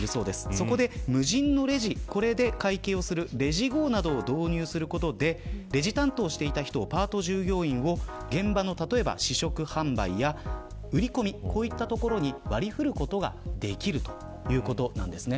そこで、無人のレジ会計をするレジゴーなどを導入することでレジ担当をしていた人を現場の試食販売や売り込み、こういう所に割り振ることができるということなんですね。